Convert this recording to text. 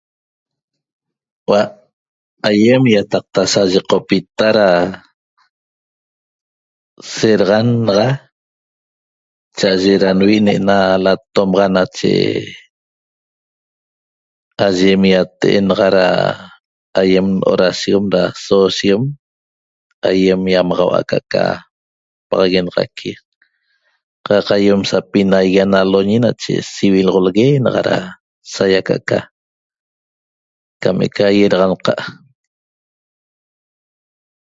hua'a ayiem ýatacta sayocpita da ceraxa naxa chaye na'vi ne ena latom na nache aye miate nara aýem oración na soyiom aýem ýamahuaca aca ca paxaguenaxaqui ca caýem sapinaguet ena alo' nache sibiloxom nagara sague ca aca cam eca nerenaxac